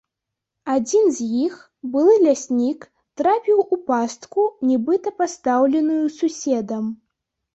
Адзін з іх, былы ляснік, трапіў у пастку, нібыта пастаўленую суседам.